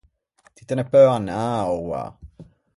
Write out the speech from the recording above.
Ti te ne peu anâ oua.